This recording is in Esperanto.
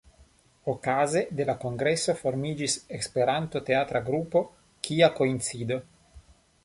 Okaze de la kongreso formiĝis Esperanto-teatra grupo "Kia koincido".